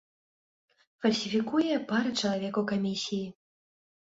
Фальсіфікуе пара чалавек у камісіі.